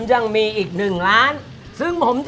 ได้ครับ